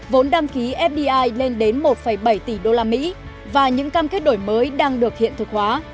vốn đăng ký fdi lên đến một bảy tỷ usd và những cam kết đổi mới đang được hiện thực hóa